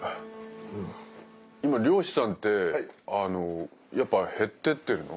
今漁師さんってやっぱ減ってってるの？